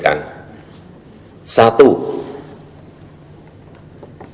tiga yang sudah saya katakan